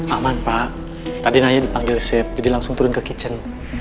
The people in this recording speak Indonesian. aman pak tadi nanya dipanggil sep jadi langsung turun ke kitchen